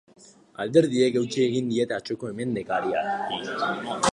Alderdiek eutsi egin diete atzoko emendakinari.